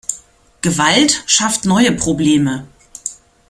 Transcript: Gewalt schafft neue Probleme.